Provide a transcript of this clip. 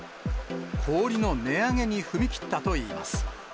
氷の値上げに踏み切ったといいます。